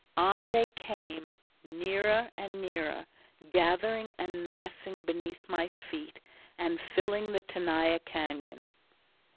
On they came, nearer and nearer, gathering and massing beneath my feet and filling the Tenaya Cañon.